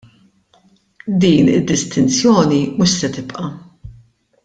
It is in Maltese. Din id-distinzjoni mhux se tibqa'.